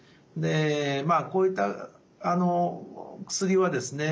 こういった薬はですね